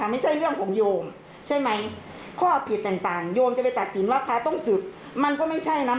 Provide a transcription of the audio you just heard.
ไม่ใช่โยมจะไปตัดสินโยมไม่มีหน้าที่ไปศึกษานะ